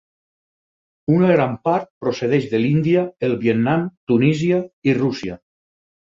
Una gran part procedeix de l'Índia, el Vietnam, Tunísia i Rússia.